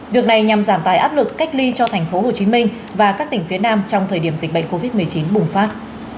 việc này nhằm giảm tài áp lực cách ly cho tp hcm và các tỉnh phía nam trong thời điểm dịch bệnh covid một mươi chín bùng phát